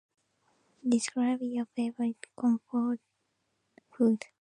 Describe your favorite comfort food.